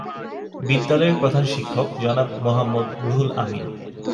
বিদ্যালয়ের প্রধান শিক্ষক জনাব মোহাম্মদ রুহুল আমিন।